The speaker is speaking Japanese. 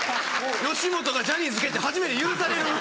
吉本がジャニーズ蹴って初めて許される。